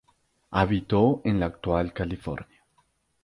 Habitó en la actual California.